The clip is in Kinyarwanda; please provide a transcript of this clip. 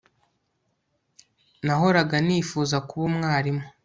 Nahoraga nifuza kuba umwarimu